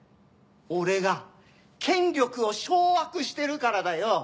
俺が権力を掌握してるからだよ。